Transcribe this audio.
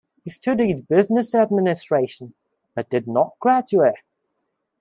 He studied business administration, but did not graduate.